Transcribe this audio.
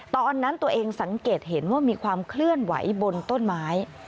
ตอนนั้นตัวเองสังเกตเห็นว่ามีความเคลื่อนไหวบนต้นไม้